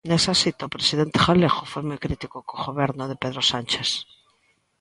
Nesa cita, o presidente galego foi moi crítico co Goberno de Pedro Sánchez.